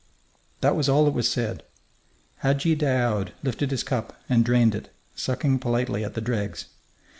That was all that was said. Hadji Daoud lifted his cup and drained it, sucking politely at the dregs.